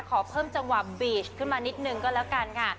ขอเพิ่มจังหวะบีชขึ้นมานิดนึงก็แล้วกันค่ะ